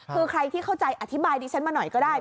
คือใครที่เข้าใจอธิบายดิฉันมาหน่อยก็ได้